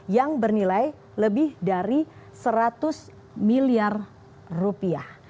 yang bernilai lebih dari seratus miliar rupiah